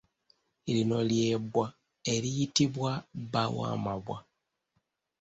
Lino ly’ebbwa eriyitibwa bba w’amabwa.